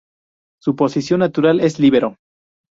Su posición natural es Líbero.